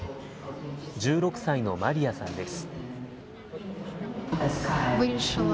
１６歳のマリアさんです。